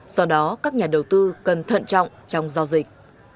do đó các nhà đầu tư cần thận trọng trong giao dịch